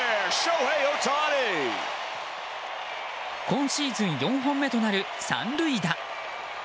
今シーズン４本目となる三塁打。